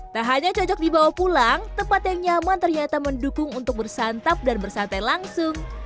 tak hanya cocok dibawa pulang tempat yang nyaman ternyata mendukung untuk bersantap dan bersantai langsung